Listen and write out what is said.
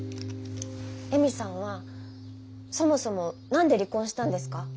恵美さんはそもそも何で離婚したんですか？